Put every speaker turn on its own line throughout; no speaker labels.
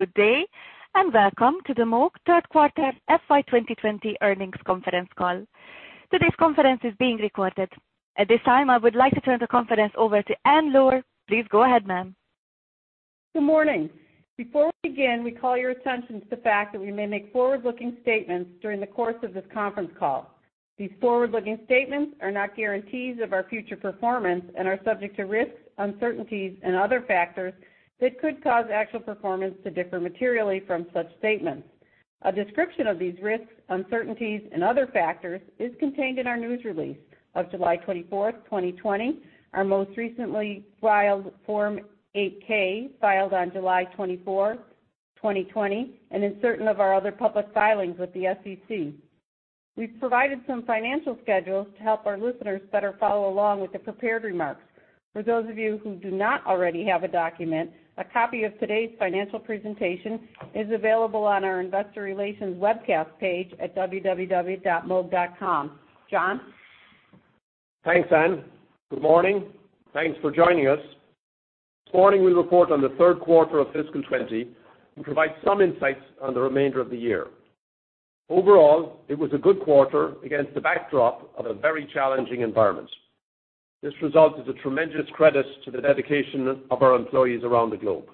Good day. Welcome to the Moog third quarter FY 2020 earnings conference call. Today's conference is being recorded. At this time, I would like to turn the conference over to Ann Luhr. Please go ahead, ma'am.
Good morning. Before we begin, we call your attention to the fact that we may make forward-looking statements during the course of this conference call. These forward-looking statements are not guarantees of our future performance and are subject to risks, uncertainties and other factors that could cause actual performance to differ materially from such statements. A description of these risks, uncertainties, and other factors is contained in our news release of July 24th, 2020, our most recently filed Form 8-K, filed on July 24, 2020, and in certain of our other public filings with the SEC. We've provided some financial schedules to help our listeners better follow along with the prepared remarks. For those of you who do not already have a document, a copy of today's financial presentation is available on our investor relations webcast page at www.moog.com. John?
Thanks, Ann. Good morning. Thanks for joining us. This morning, we report on the third quarter of fiscal 2020 and provide some insights on the remainder of the year. Overall, it was a good quarter against the backdrop of a very challenging environment. This result is a tremendous credit to the dedication of our employees around the globe.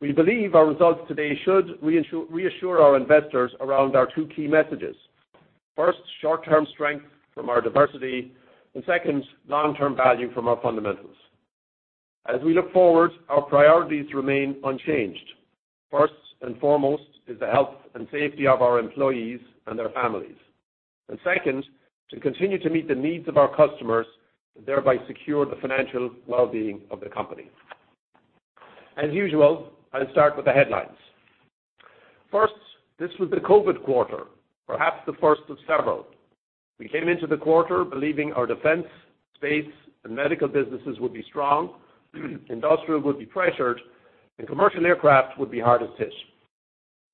We believe our results today should reassure our investors around our two key messages. First, short-term strength from our diversity, and second, long-term value from our fundamentals. As we look forward, our priorities remain unchanged. First and foremost is the health and safety of our employees and their families. Second, to continue to meet the needs of our customers and thereby secure the financial well-being of the company. As usual, I'll start with the headlines. First, this was the COVID quarter, perhaps the first of several. We came into the quarter believing our defense, space, and medical businesses would be strong, industrial would be pressured, and commercial aircraft would be hardest hit.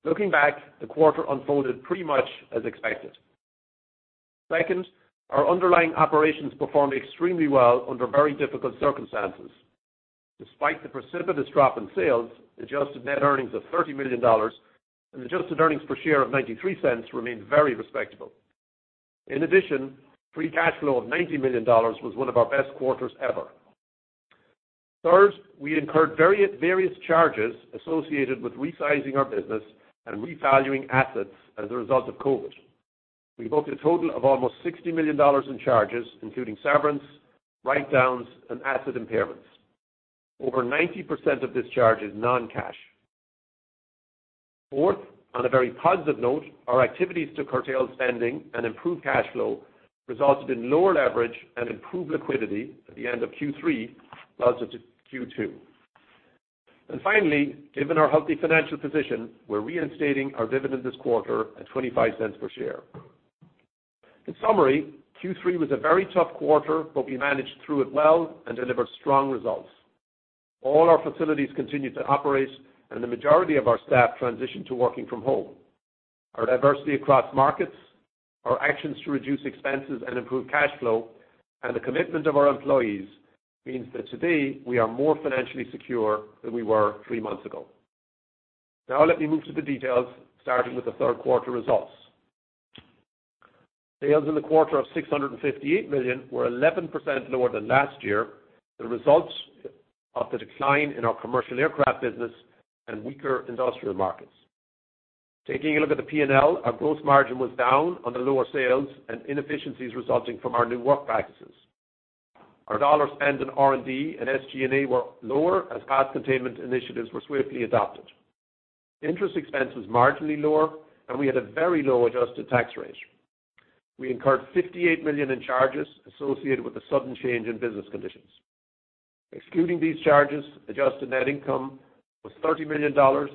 Looking back, the quarter unfolded pretty much as expected. Second, our underlying operations performed extremely well under very difficult circumstances. Despite the precipitous drop in sales, adjusted net earnings of $30 million and adjusted earnings per share of $0.93 remain very respectable. In addition, free cash flow of $90 million was one of our best quarters ever. Third, we incurred various charges associated with resizing our business and revaluing assets as a result of COVID-19. We booked a total of almost $60 million in charges, including severance, write-downs, and asset impairments. Over 90% of this charge is non-cash. Fourth, on a very positive note, our activities to curtail spending and improve cash flow resulted in lower leverage and improved liquidity at the end of Q3 relative to Q2. Finally, given our healthy financial position, we're reinstating our dividend this quarter at $0.25 per share. In summary, Q3 was a very tough quarter, but we managed through it well and delivered strong results. All our facilities continue to operate, and the majority of our staff transitioned to working from home. Our diversity across markets, our actions to reduce expenses and improve cash flow, and the commitment of our employees means that today we are more financially secure than we were three months ago. Let me move to the details, starting with the third quarter results. Sales in the quarter of $658 million were 11% lower than last year, the results of the decline in our commercial aircraft business and weaker industrial markets. Taking a look at the P&L, our gross margin was down on the lower sales and inefficiencies resulting from our new work practices. Our dollar spend in R&D and SG&A were lower as cost containment initiatives were swiftly adopted. Interest expense was marginally lower, and we had a very low adjusted tax rate. We incurred $58 million in charges associated with the sudden change in business conditions. Excluding these charges, adjusted net income was $30 million, down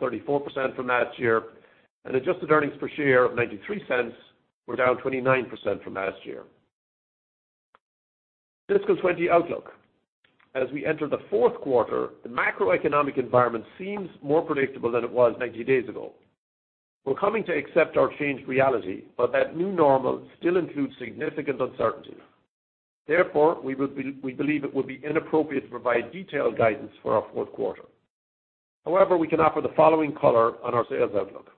34% from last year, and adjusted earnings per share of $0.93 were down 29% from last year. Fiscal 2020 outlook. As we enter the fourth quarter, the macroeconomic environment seems more predictable than it was 90 days ago. We're coming to accept our changed reality, but that new normal still includes significant uncertainty. Therefore, we believe it would be inappropriate to provide detailed guidance for our fourth quarter. However, we can offer the following color on our sales outlook.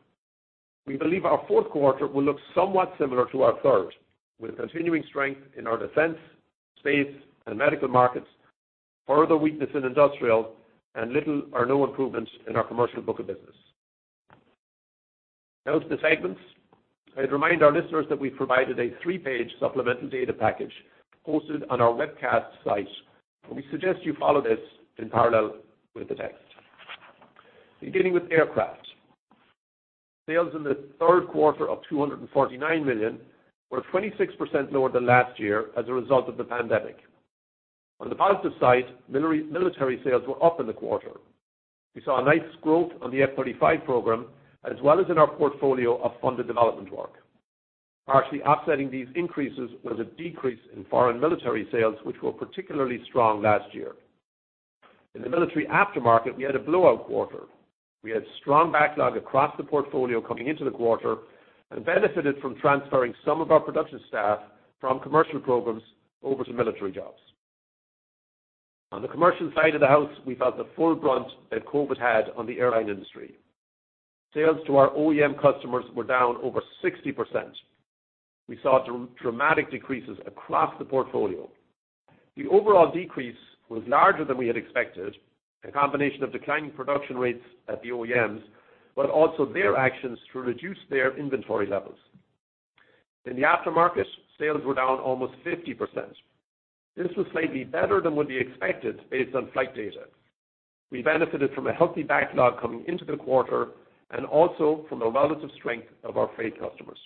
We believe our fourth quarter will look somewhat similar to our third, with continuing strength in our defense, space, and medical markets, further weakness in industrial, and little or no improvements in our commercial book of business. Now to the segments. I'd remind our listeners that we provided a three-page supplemental data package posted on our webcast site, and we suggest you follow this in parallel with the text. Beginning with Aircraft. Sales in the third quarter of $249 million were 26% lower than last year as a result of the pandemic. On the positive side, military sales were up in the quarter. We saw a nice growth on the F-35 program, as well as in our portfolio of funded development work. Partially offsetting these increases was a decrease in foreign military sales, which were particularly strong last year. In the military aftermarket, we had a blowout quarter. We had strong backlog across the portfolio coming into the quarter and benefited from transferring some of our production staff from commercial programs over to military jobs. On the commercial side of the house, we felt the full brunt that COVID-19 had on the airline industry. Sales to our OEM customers were down over 60%. We saw dramatic decreases across the portfolio. The overall decrease was larger than we had expected, a combination of declining production rates at the OEMs, but also their actions to reduce their inventory levels. In the aftermarket, sales were down almost 50%. This was slightly better than would be expected based on flight data. We benefited from a healthy backlog coming into the quarter and also from the relative strength of our freight customers.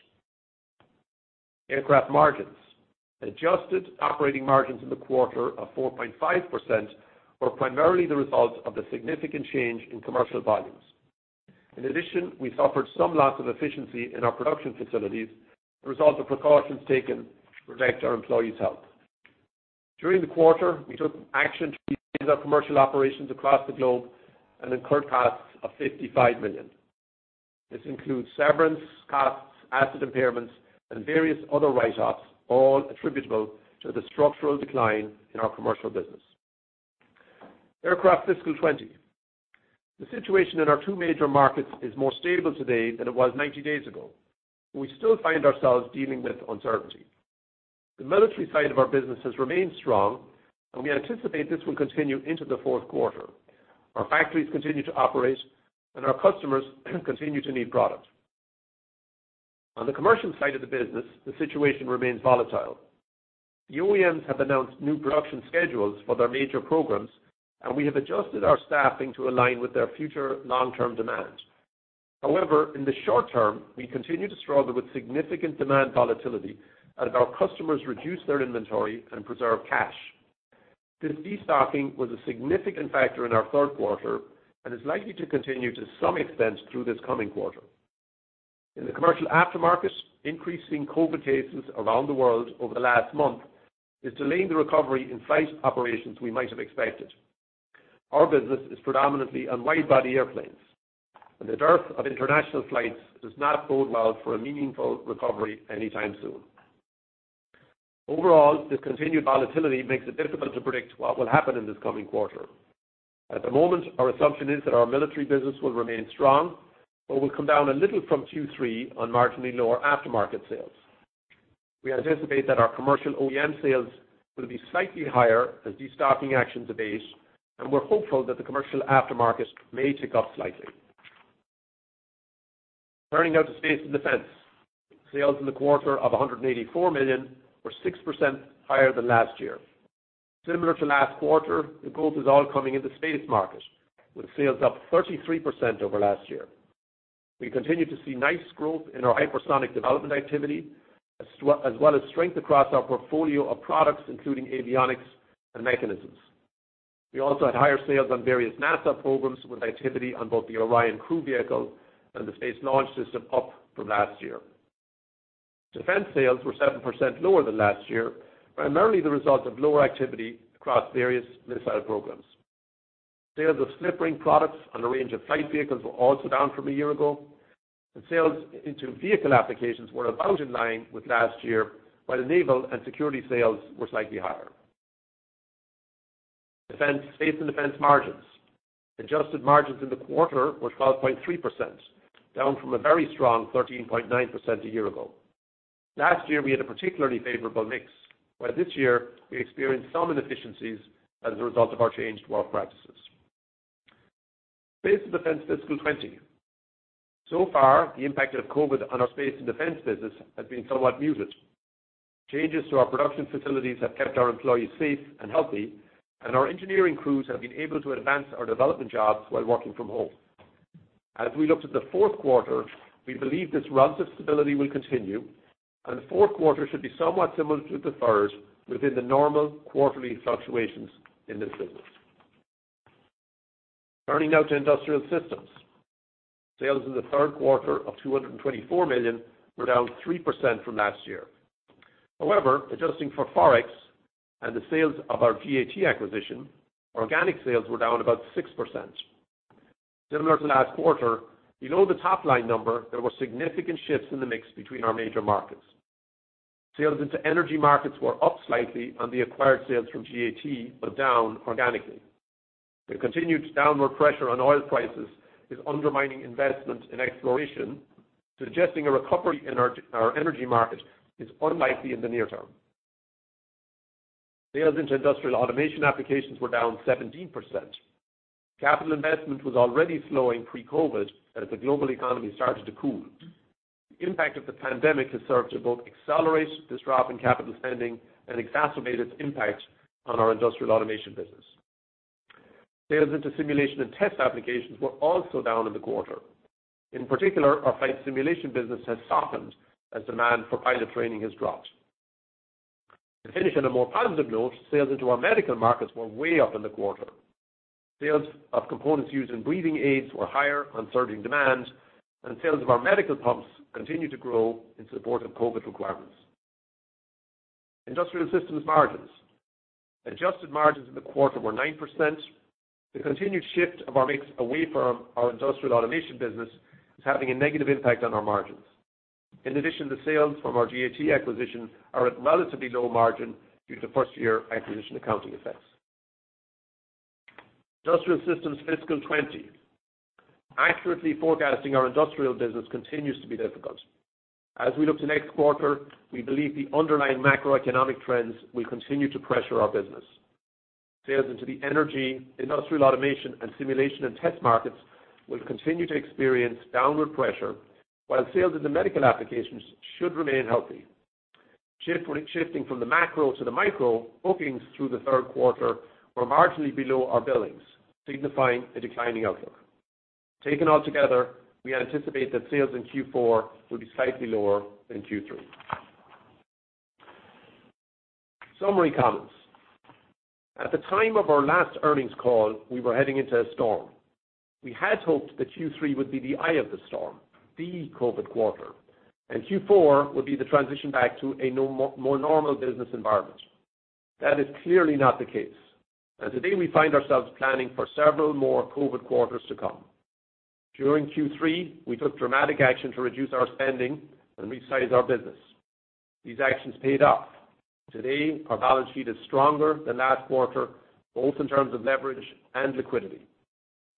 Aircraft margins. Adjusted operating margins in the quarter of 4.5% were primarily the result of the significant change in commercial volumes. In addition, we suffered some loss of efficiency in our production facilities, the result of precautions taken to protect our employees' health. During the quarter, we took action to reduce our commercial operations across the globe and incurred costs of $55 million. This includes severance costs, asset impairments, and various other write-offs, all attributable to the structural decline in our commercial business. Aircraft fiscal 2020. The situation in our two major markets is more stable today than it was 90 days ago, but we still find ourselves dealing with uncertainty. The military side of our business has remained strong, and we anticipate this will continue into the fourth quarter. Our factories continue to operate, and our customers continue to need product. On the commercial side of the business, the situation remains volatile. The OEMs have announced new production schedules for their major programs, and we have adjusted our staffing to align with their future long-term demands. However, in the short term, we continue to struggle with significant demand volatility as our customers reduce their inventory and preserve cash. This de-stocking was a significant factor in our third quarter and is likely to continue to some extent through this coming quarter. In the commercial aftermarket, increasing COVID-19 cases around the world over the last month is delaying the recovery in flight operations we might have expected. Our business is predominantly on wide-body airplanes, and the dearth of international flights does not bode well for a meaningful recovery anytime soon. Overall, this continued volatility makes it difficult to predict what will happen in this coming quarter. At the moment, our assumption is that our military business will remain strong but will come down a little from Q3 on marginally lower aftermarket sales. We anticipate that our commercial OEM sales will be slightly higher as de-stocking actions abate, and we're hopeful that the commercial aftermarket may tick up slightly. Turning now to space and defense. Sales in the quarter of $184 million were 6% higher than last year. Similar to last quarter, the growth is all coming in the space market, with sales up 33% over last year. We continue to see nice growth in our hypersonic development activity, as well as strength across our portfolio of products, including avionics and mechanisms. We also had higher sales on various NASA programs, with activity on both the Orion crew vehicle and the Space Launch System up from last year. Defense sales were 7% lower than last year, primarily the result of lower activity across various missile programs. Sales of slip ring products on a range of flight vehicles were also down from a year ago, and sales into vehicle applications were about in line with last year, while the naval and security sales were slightly higher. Space and defense margins. Adjusted margins in the quarter were 12.3%, down from a very strong 13.9% a year ago. Last year, we had a particularly favorable mix, while this year we experienced some inefficiencies as a result of our changed work practices. Space and defense fiscal 2020. So far, the impact of COVID-19 on our space and defense business has been somewhat muted. Changes to our production facilities have kept our employees safe and healthy, and our engineering crews have been able to advance our development jobs while working from home. As we look to the fourth quarter, we believe this relative stability will continue, and the fourth quarter should be somewhat similar to the third within the normal quarterly fluctuations in this business. Turning now to industrial systems. Sales in the third quarter of $224 million were down 3% from last year. Adjusting for forex and the sales of our GAT acquisition, organic sales were down about 6%. Similar to last quarter, below the top-line number, there were significant shifts in the mix between our major markets. Sales into energy markets were up slightly on the acquired sales from GAT, but down organically. The continued downward pressure on oil prices is undermining investment in exploration, suggesting a recovery in our energy market is unlikely in the near term. Sales into industrial automation applications were down 17%. Capital investment was already slowing pre-COVID-19 as the global economy started to cool. The impact of the pandemic has served to both accelerate this drop in capital spending and exacerbate its impact on our industrial automation business. Sales into simulation and test applications were also down in the quarter. In particular, our flight simulation business has softened as demand for pilot training has dropped. To finish on a more positive note, sales into our medical markets were way up in the quarter. Sales of components used in breathing aids were higher on surging demand, and sales of our medical pumps continue to grow in support of COVID requirements. Industrial systems margins. Adjusted margins in the quarter were 9%. The continued shift of our mix away from our industrial automation business is having a negative impact on our margins. In addition, the sales from our GAT acquisition are at relatively low margin due to first-year acquisition accounting effects. Industrial Systems fiscal 2020. Accurately forecasting our industrial business continues to be difficult. As we look to next quarter, we believe the underlying macroeconomic trends will continue to pressure our business. Sales into the energy, industrial automation, and simulation and test markets will continue to experience downward pressure, while sales in the medical applications should remain healthy. Shifting from the macro to the micro, bookings through the third quarter were marginally below our billings, signifying a declining outlook. Taken altogether, we anticipate that sales in Q4 will be slightly lower than Q3. Summary comments. At the time of our last earnings call, we were heading into a storm. We had hoped that Q3 would be the eye of the storm, the COVID quarter, and Q4 would be the transition back to a more normal business environment. That is clearly not the case. Today, we find ourselves planning for several more COVID quarters to come. During Q3, we took dramatic action to reduce our spending and resize our business. These actions paid off. Today, our balance sheet is stronger than last quarter, both in terms of leverage and liquidity.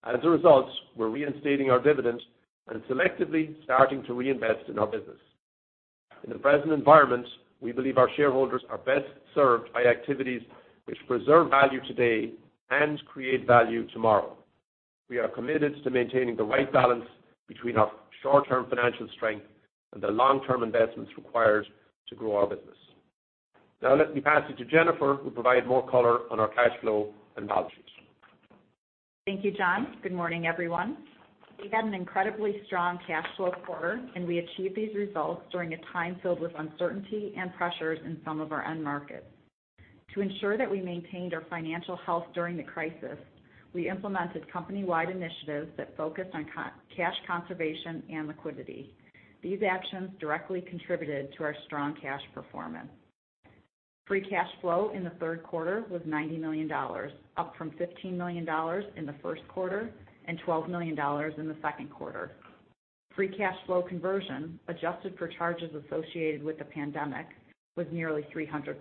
As a result, we're reinstating our dividend and selectively starting to reinvest in our business. In the present environment, we believe our shareholders are best served by activities which preserve value today and create value tomorrow. We are committed to maintaining the right balance between our short-term financial strength and the long-term investments required to grow our business. Let me pass it to Jennifer, who will provide more color on our cash flow and balance sheet.
Thank you, John. Good morning, everyone. We had an incredibly strong cash flow quarter, and we achieved these results during a time filled with uncertainty and pressures in some of our end markets. To ensure that we maintained our financial health during the crisis, we implemented company-wide initiatives that focused on cash conservation and liquidity. These actions directly contributed to our strong cash performance. Free cash flow in the third quarter was $90 million, up from $15 million in the first quarter and $12 million in the second quarter. Free cash flow conversion, adjusted for charges associated with the pandemic, was nearly 300%.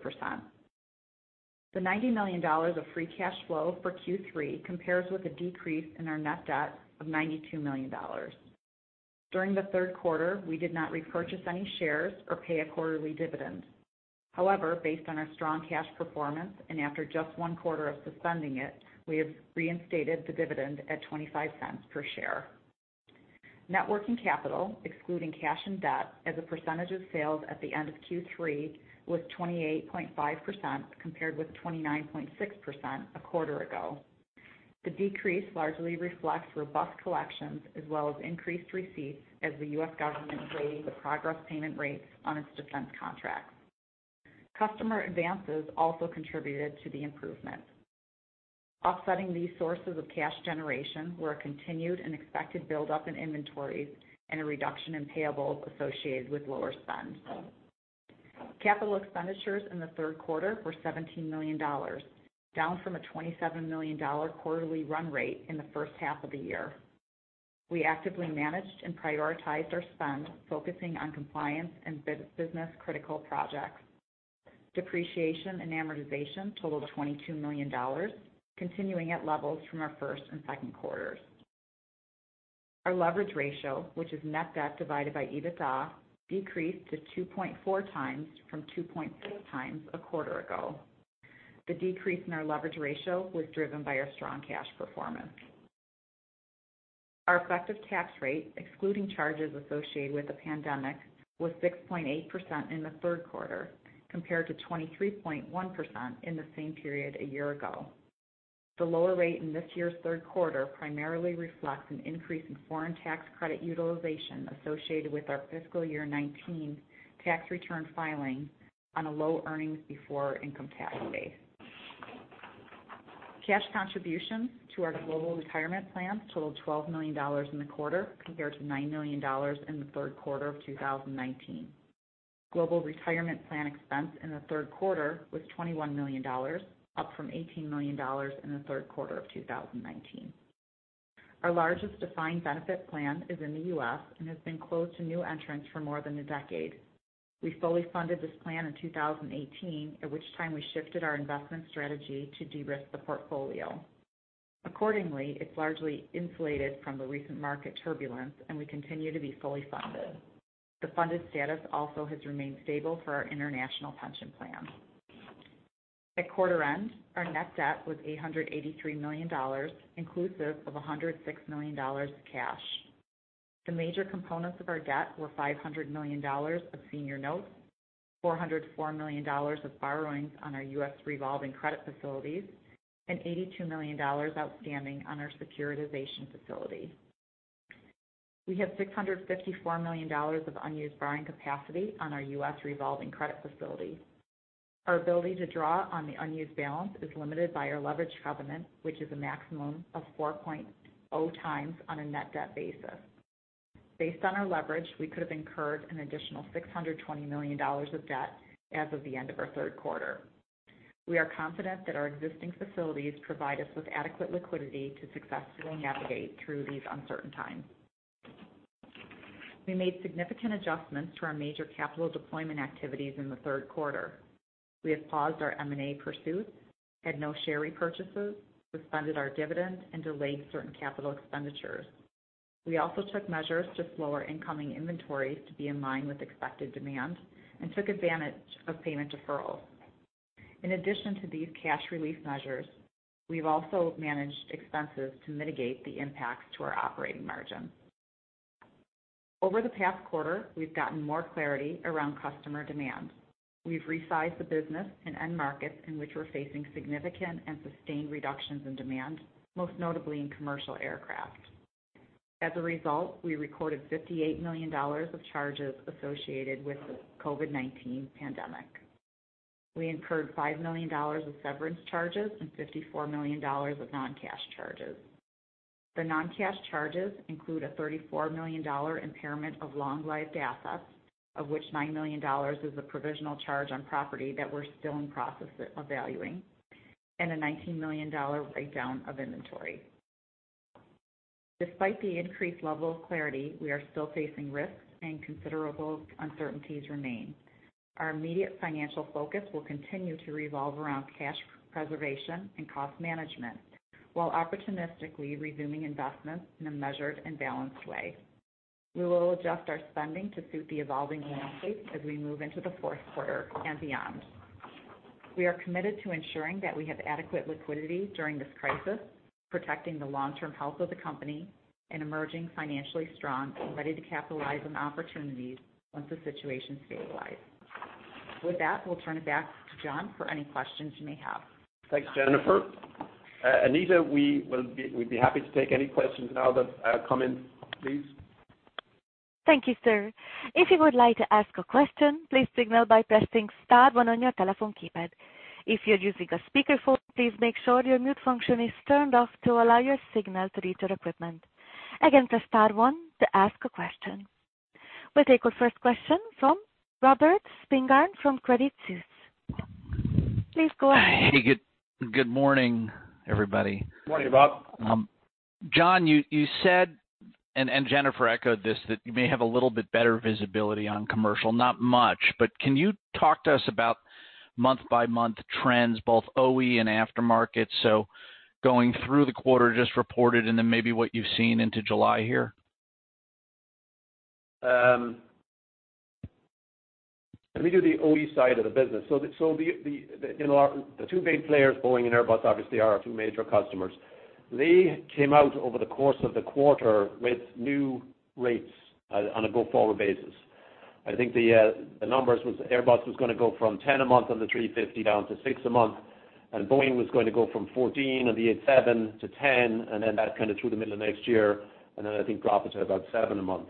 The $90 million of free cash flow for Q3 compares with a decrease in our net debt of $92 million. During the third quarter, we did not repurchase any shares or pay a quarterly dividend. However, based on our strong cash performance and after just one quarter of suspending it, we have reinstated the dividend at $0.25 per share. Net working capital, excluding cash and debt, as a percentage of sales at the end of Q3 was 28.5%, compared with 29.6% a quarter ago. The decrease largely reflects robust collections as well as increased receipts as the U.S. government raised the progress payment rates on its defense contracts. Customer advances also contributed to the improvement. Offsetting these sources of cash generation were a continued and expected buildup in inventories and a reduction in payables associated with lower spend. Capital expenditures in the third quarter were $17 million, down from a $27 million quarterly run rate in the first half of the year. We actively managed and prioritized our spend, focusing on compliance and business-critical projects. Depreciation and amortization totaled $22 million, continuing at levels from our first and second quarters. Our leverage ratio, which is net debt divided by EBITDA, decreased to 2.4x from 2.6x a quarter ago. The decrease in our leverage ratio was driven by our strong cash performance. Our effective tax rate, excluding charges associated with the pandemic, was 6.8% in the third quarter, compared to 23.1% in the same period a year ago. The lower rate in this year's third quarter primarily reflects an increase in foreign tax credit utilization associated with our fiscal year 2019 tax return filing on a low earnings before income tax base. Cash contributions to our global retirement plans totaled $12 million in the quarter, compared to $9 million in the third quarter of 2019. Global retirement plan expense in the third quarter was $21 million, up from $18 million in the third quarter of 2019. Our largest defined benefit plan is in the U.S. and has been closed to new entrants for more than a decade. We fully funded this plan in 2018, at which time we shifted our investment strategy to de-risk the portfolio. Accordingly, it's largely insulated from the recent market turbulence, and we continue to be fully funded. The funded status also has remained stable for our international pension plan. At quarter end, our net debt was $883 million, inclusive of $106 million cash. The major components of our debt were $500 million of senior notes, $404 million of borrowings on our U.S. revolving credit facilities, and $82 million outstanding on our securitization facility. We have $654 million of unused borrowing capacity on our U.S. revolving credit facility. Our ability to draw on the unused balance is limited by our leverage covenant, which is a maximum of 4.0x on a net debt basis. Based on our leverage, we could have incurred an additional $620 million of debt as of the end of our third quarter. We are confident that our existing facilities provide us with adequate liquidity to successfully navigate through these uncertain times. We made significant adjustments to our major capital deployment activities in the third quarter. We have paused our M&A pursuits, had no share repurchases, suspended our dividend, and delayed certain capital expenditures. We also took measures to slow our incoming inventories to be in line with expected demand and took advantage of payment deferrals. In addition to these cash relief measures, we've also managed expenses to mitigate the impacts to our operating margin. Over the past quarter, we've gotten more clarity around customer demand. We've resized the business in end markets in which we're facing significant and sustained reductions in demand, most notably in commercial aircraft. As a result, we recorded $58 million of charges associated with the COVID-19 pandemic. We incurred $5 million of severance charges and $54 million of non-cash charges. The non-cash charges include a $34 million impairment of long-lived assets, of which $9 million is a provisional charge on property that we're still in process of valuing, and a $19 million write-down of inventory. Despite the increased level of clarity, we are still facing risks, and considerable uncertainties remain. Our immediate financial focus will continue to revolve around cash preservation and cost management, while opportunistically resuming investments in a measured and balanced way. We will adjust our spending to suit the evolving landscape as we move into the fourth quarter and beyond. We are committed to ensuring that we have adequate liquidity during this crisis, protecting the long-term health of the company and emerging financially strong and ready to capitalize on opportunities once the situation stabilizes. With that, we will turn it back to John for any questions you may have.
Thanks, Jennifer. Anita, we'd be happy to take any questions now that come in, please.
Thank you, sir. If you would like to ask a question, please signal by pressing star one on your telephone keypad. If you're using a speakerphone, please make sure your mute function is turned off to allow your signal to reach our equipment. Again, press star one to ask a question. We'll take our first question from Robert Spingarn from Credit Suisse. Please go ahead.
Hey, good morning, everybody.
Morning, Rob.
John, you said, and Jennifer echoed this, that you may have a little bit better visibility on commercial, not much, but can you talk to us about month-by-month trends, both OE and aftermarket? Going through the quarter just reported and then maybe what you've seen into July here.
Let me do the OE side of the business. The two main players, Boeing and Airbus, obviously, are our two major customers. They came out over the course of the quarter with new rates on a go-forward basis. I think the numbers was Airbus was going to go from 10 a month on the A350 down to six a month, and Boeing was going to go from 14 on the 787 to 10, and then that kind of through the middle of next year, and then I think drop it to about seven a month.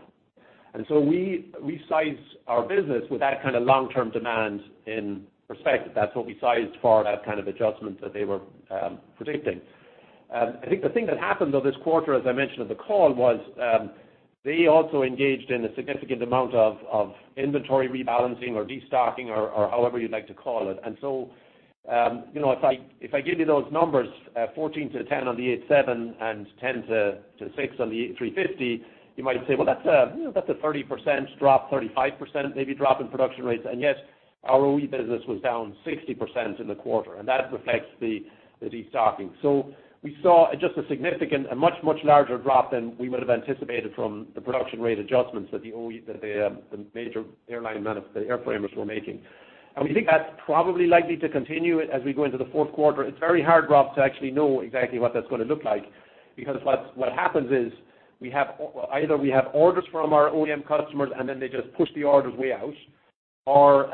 We size our business with that kind of long-term demand in perspective. That's what we sized for that kind of adjustment that they were predicting. I think the thing that happened, though, this quarter, as I mentioned on the call, was they also engaged in a significant amount of inventory rebalancing or destocking or however you'd like to call it. If I give you those numbers, 14 to 10 on the 787 and 10 to six on the A350, you might say, "Well, that's a 30% drop, 35% maybe drop in production rates." Yes, our OE business was down 60% in the quarter, and that reflects the destocking. We saw just a significant, a much, much larger drop than we would have anticipated from the production rate adjustments that the major airframers were making. We think that's probably likely to continue as we go into the fourth quarter. It's very hard, Rob, to actually know exactly what that's going to look like because what happens is either we have orders from our OEM customers and then they just push the orders way out, or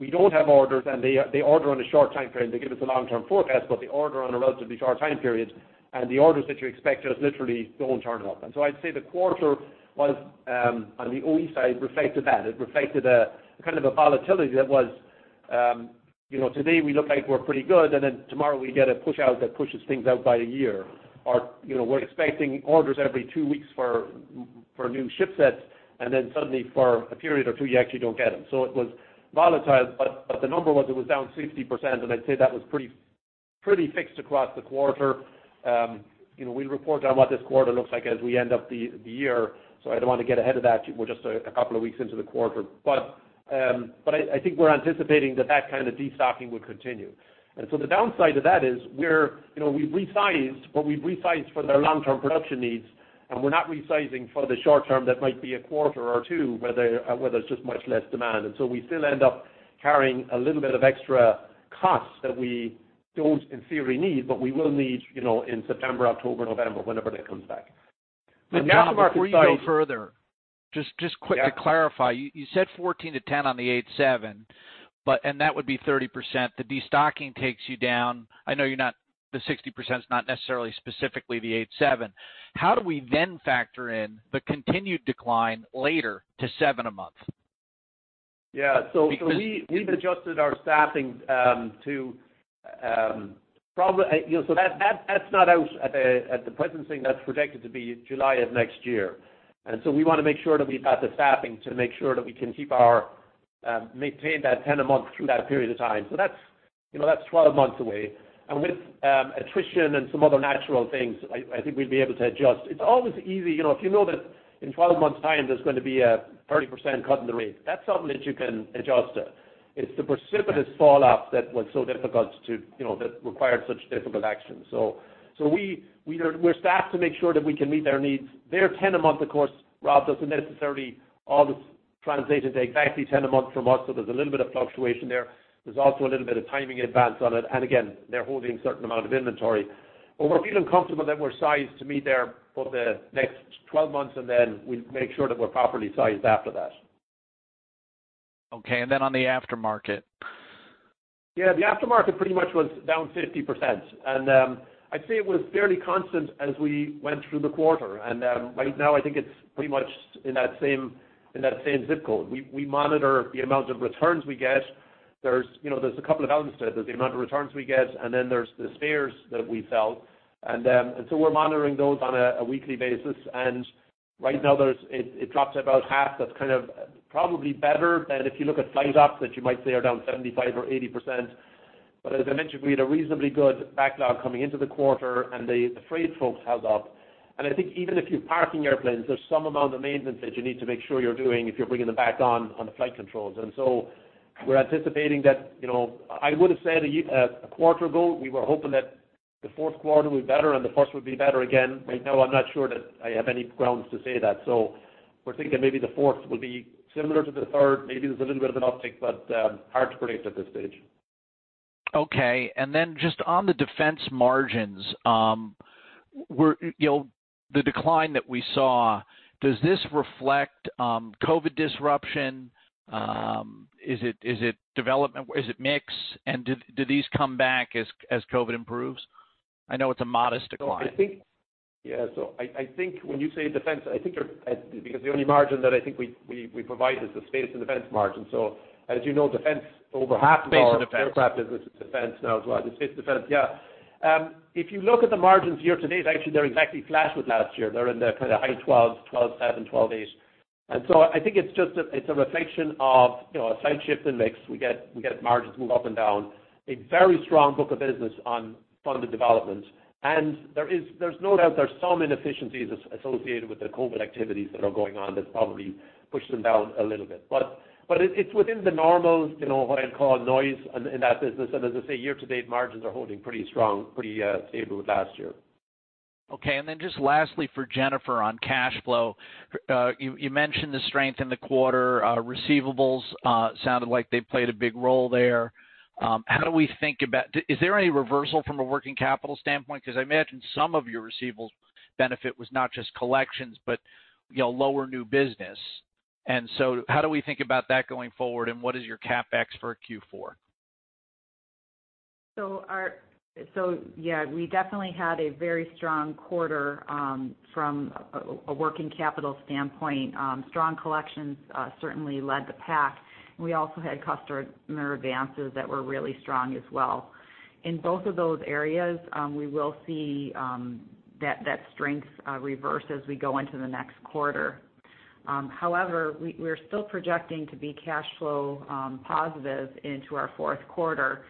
we don't have orders and they order on a short time frame. They give us a long-term forecast, but they order on a relatively short time period, and the orders that you expect just literally don't turn up. I'd say the quarter was, on the OE side, reflected that. It reflected a kind of a volatility that was today we look like we're pretty good, and then tomorrow we get a push-out that pushes things out by a year. We're expecting orders every two weeks for new ship sets, and then suddenly for a period or two, you actually don't get them. It was volatile, but the number was it was down 60%, and I'd say that was pretty fixed across the quarter. We'll report on what this quarter looks like as we end up the year, so I don't want to get ahead of that. We're just a couple of weeks into the quarter. I think we're anticipating that that kind of destocking would continue. The downside of that is we've resized, but we've resized for their long-term production needs, and we're not resizing for the short term that might be a quarter or two, whether it's just much less demand. We still end up carrying a little bit of extra costs that we don't in theory need, but we will need in September, October, November, whenever that comes back.
John, before you go further, just quick to clarify.
Yeah.
You said 14 to 10 on the 787, and that would be 30%. The destocking takes you down. I know the 60% is not necessarily specifically the 787. How do we then factor in the continued decline later to seven a month?
Yeah.
Because.
We've adjusted our staffing. That's not out at the present thing. That's projected to be July of next year. We want to make sure that we've got the staffing to make sure that we can maintain that 10 a month through that period of time. That's 12 months away. With attrition and some other natural things, I think we'll be able to adjust. It's always easy if you know that in 12 months' time there's going to be a 30% cut in the rate. That's something that you can adjust to. It's the precipitous falloff that required such difficult action. We're staffed to make sure that we can meet their needs. Their 10 a month, of course, Rob, doesn't necessarily always translate into exactly 10 a month from us, so there's a little bit of fluctuation there. There's also a little bit of timing advance on it. Again, they're holding a certain amount of inventory. We're feeling comfortable that we're sized to meet there for the next 12 months, and then we'll make sure that we're properly sized after that.
Okay, on the aftermarket.
Yeah, the aftermarket pretty much was down 50%, and I'd say it was fairly constant as we went through the quarter. Right now I think it's pretty much in that same zip code. We monitor the amount of returns we get. There's a couple of elements to it. There's the amount of returns we get, and then there's the spares that we sell. We're monitoring those on a weekly basis, and right now it drops about half. That's kind of probably better than if you look at flight ops that you might say are down 75% or 80%. As I mentioned, we had a reasonably good backlog coming into the quarter and the freight folks held up. I think even if you're parking airplanes, there's some amount of maintenance that you need to make sure you're doing if you're bringing them back on the flight controls. We're anticipating that. I would've said a quarter ago, we were hoping that the fourth quarter would be better and the first would be better again. Right now I'm not sure that I have any grounds to say that. We're thinking maybe the fourth will be similar to the third. Maybe there's a little bit of an uptick, but hard to predict at this stage.
Okay, then just on the defense margins, the decline that we saw, does this reflect COVID disruption? Is it development? Is it mix? Do these come back as COVID improves? I know it's a modest decline.
Yeah. I think when you say defense, because the only margin that I think we provide is the space and defense margin. As you know, Defense, over half of our-
Space and defense
Aircraft is defense now as well. The space defense, yeah. If you look at the margins year to date, actually they're exactly flat with last year. They're in the kind of high 12s, 12.7%, 12.8%. I think it's a reflection of a slight shift in mix. We get margins move up and down, a very strong book of business on funded development. There's no doubt there's some inefficiencies associated with the COVID-19 activities that are going on that's probably pushed them down a little bit. It's within the normal, what I'd call noise in that business. As I say, year to date, margin s are holding pretty strong, pretty stable with last year.
Okay, just lastly for Jennifer on cash flow. You mentioned the strength in the quarter. Receivables sounded like they played a big role there. Is there any reversal from a working capital standpoint? Because I imagine some of your receivables benefit was not just collections, but lower new business. How do we think about that going forward, and what is your CapEx for Q4?
Yeah, we definitely had a very strong quarter from a working capital standpoint. Strong collections certainly led the pack, and we also had customer advances that were really strong as well. In both of those areas, we will see that strength reverse as we go into the next quarter. However, we're still projecting to be cash flow positive into our fourth quarter.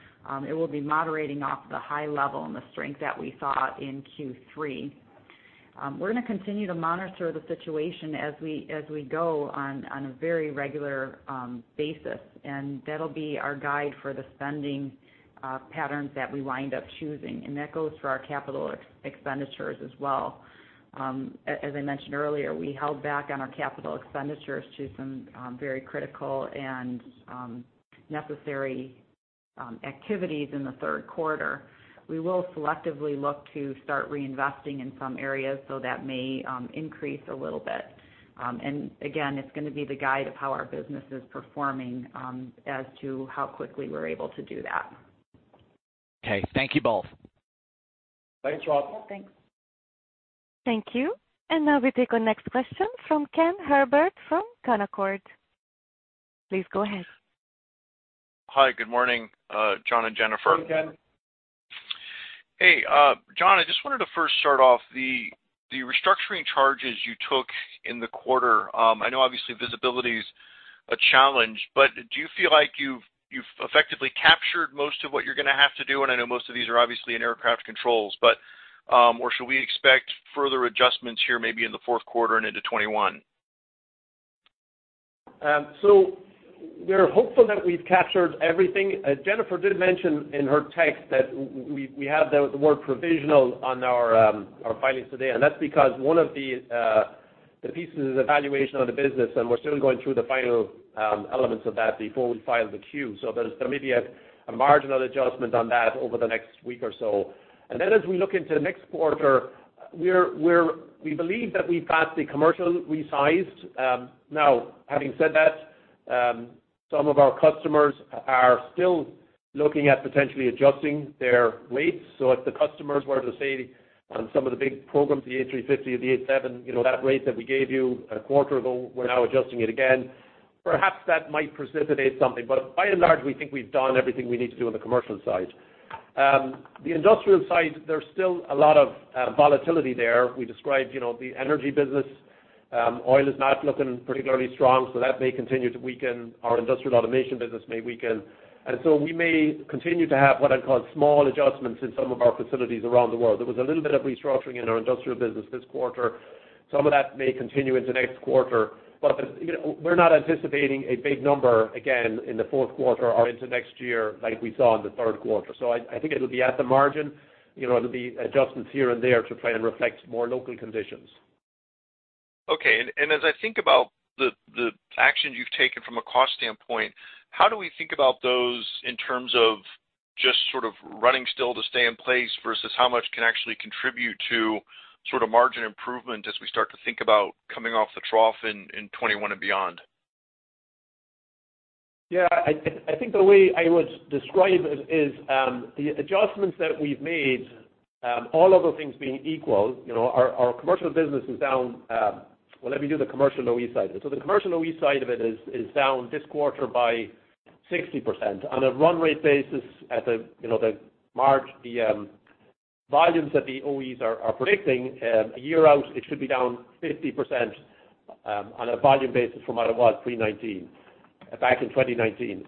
It will be moderating off the high level and the strength that we saw in Q3. We're going to continue to monitor the situation as we go on a very regular basis, and that'll be our guide for the spending patterns that we wind up choosing, and that goes for our capital expenditures as well. As I mentioned earlier, we held back on our capital expenditures to some very critical and necessary activities in the third quarter. We will selectively look to start reinvesting in some areas, so that may increase a little bit. Again, it's going to be the guide of how our business is performing as to how quickly we're able to do that.
Okay. Thank you both.
Thanks, Rob.
Thanks.
Thank you. Now we take our next question from Ken Herbert from Canaccord. Please go ahead.
Hi, good morning, John and Jennifer.
Hey, Ken.
Hey, John, I just wanted to first start off the restructuring charges you took in the quarter. I know obviously visibility's a challenge, but do you feel like you've effectively captured most of what you're going to have to do? I know most of these are obviously in Aircraft Controls, but should we expect further adjustments here, maybe in the fourth quarter and into 2021?
We're hopeful that we've captured everything. Jennifer did mention in her text that we have the word provisional on our filings today, and that's because one of the pieces is evaluation of the business, and we're still going through the final elements of that before we file the Q. There may be a marginal adjustment on that over the next week or so. As we look into next quarter, we believe that we've got the commercial resized. Now, having said that, some of our customers are still looking at potentially adjusting their rates. If the customers were to say on some of the big programs, the A350, that rate that we gave you a quarter ago, we're now adjusting it again. Perhaps that might precipitate something, but by and large, we think we've done everything we need to do on the commercial side. The industrial side, there's still a lot of volatility there. We described the energy business. Oil is not looking particularly strong, so that may continue to weaken, our industrial automation business may weaken. We may continue to have what I'd call small adjustments in some of our facilities around the world. There was a little bit of restructuring in our industrial business this quarter. Some of that may continue into next quarter. We're not anticipating a big number again in the fourth quarter or into next year like we saw in the third quarter. I think it'll be at the margin. It'll be adjustments here and there to try and reflect more local conditions.
Okay. As I think about the actions you've taken from a cost standpoint, how do we think about those in terms of just sort of running still to stay in place versus how much can actually contribute to sort of margin improvement as we start to think about coming off the trough in 2021 and beyond?
Yeah. I think the way I would describe it is, the adjustments that we've made, all other things being equal, our commercial business is down-- Well, let me do the commercial OEM side. The commercial OEM side of it is down this quarter by 60%. On a run rate basis at the March quarter, volumes that the OEMs are predicting a year out, it should be down 50% on a volume basis from what it was pre-2019, back in 2019.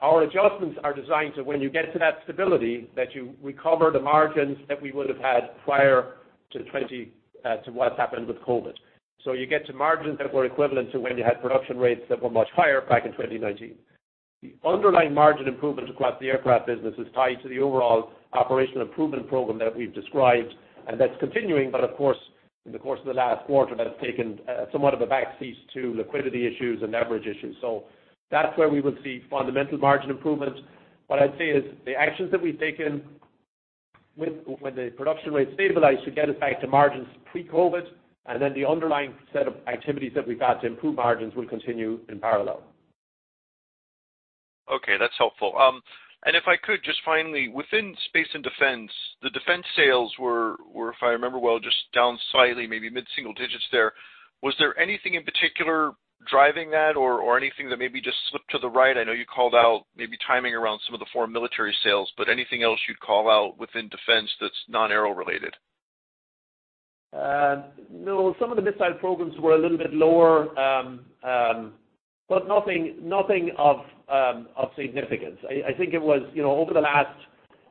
Our adjustments are designed so when you get to that stability, that you recover the margins that we would have had prior to what's happened with COVID-19. You get to margins that were equivalent to when you had production rates that were much higher back in 2019. The underlying margin improvement across the aircraft business is tied to the overall operational improvement program that we've described, and that's continuing. Of course, in the course of the last quarter, that's taken somewhat of a backseat to liquidity issues and leverage issues. That's where we will see fundamental margin improvement. What I'd say is the actions that we've taken when the production rates stabilize should get us back to margins pre-COVID, and then the underlying set of activities that we've got to improve margins will continue in parallel.
Okay, that's helpful. If I could just finally, within space and defense, the defense sales were, if I remember well, just down slightly, maybe mid-single digits there. Was there anything in particular driving that or anything that maybe just slipped to the right? I know you called out maybe timing around some of the foreign military sales, but anything else you'd call out within defense that's non-aero related?
No. Some of the missile programs were a little bit lower, nothing of significance. I think it was over the last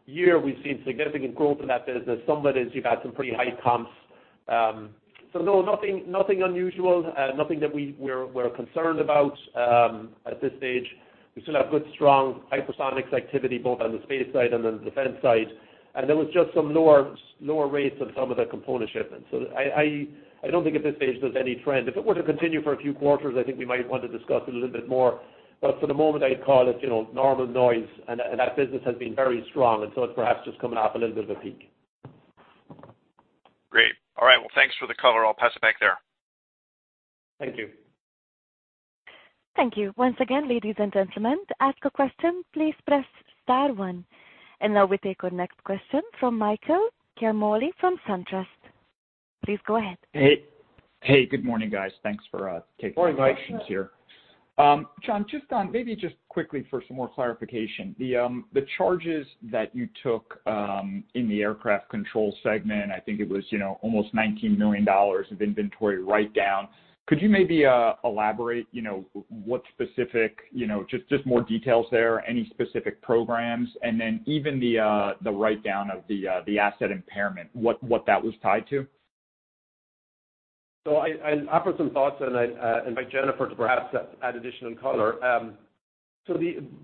year, we've seen significant growth in that business. Some of it is you've had some pretty high comps. No, nothing unusual, nothing that we're concerned about at this stage. We still have good, strong hypersonics activity both on the space side and on the defense side. There was just some lower rates on some of the component shipments. I don't think at this stage there's any trend. If it were to continue for a few quarters, I think we might want to discuss it a little bit more. For the moment, I'd call it normal noise, that business has been very strong, it's perhaps just coming off a little bit of a peak.
Great. All right. Well, thanks for the color. I'll pass it back there.
Thank you.
Thank you. Once again, ladies and gentlemen, to ask a question, please press star one. Now we take our next question from Michael Ciarmoli from SunTrust. Please go ahead.
Hey, good morning, guys. Thanks for taking my questions here.
Morning, Mike.
John, maybe just quickly for some more clarification, the charges that you took in the Aircraft Controls segment, I think it was almost $19 million of inventory write-down. Could you maybe elaborate Just more details there, any specific programs, and then even the write-down of the asset impairment, what that was tied to?
I'll offer some thoughts, and I invite Jennifer to perhaps add additional color.